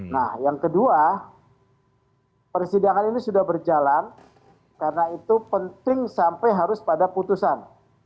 nah yang kedua persidangan ini sudah berjalan karena itu penting sampai harus pada putusan